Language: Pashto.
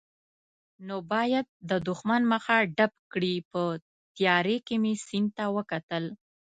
نو باید د دښمن مخه ډب کړي، په تیارې کې مې سیند ته وکتل.